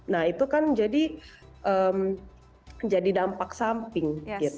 nah itu kan jadi dampak samping